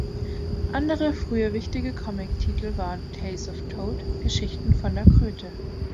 Andere frühe wichtige Comic-Titel waren „Tales of Toad“ (Geschichten von der Kröte).